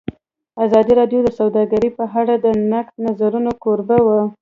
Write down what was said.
ازادي راډیو د سوداګري په اړه د نقدي نظرونو کوربه وه.